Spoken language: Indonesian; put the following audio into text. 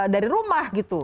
dari rumah gitu